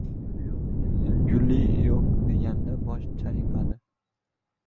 Guli «yo’q» degandek bosh chayqadi.